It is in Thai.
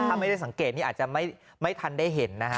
ถ้าไม่ได้สังเกตนี่อาจจะไม่ทันได้เห็นนะฮะ